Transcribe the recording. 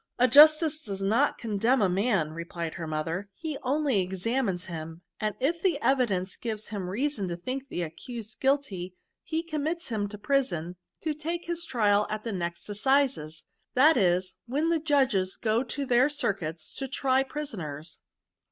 A justice does not condemn a man," re plied her mother, " he only examines him ; and if the evidence gives him reason to think the accused guilty, he commits him to prison to take his trial at the next assizes ; that is, when the judges go their circuits to try pri soners."